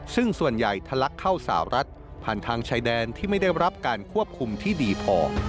ซึ่งส่วนใหญ่ทะลักเข้าสาวรัฐผ่านทางชายแดนที่ไม่ได้รับการควบคุมที่ดีพอ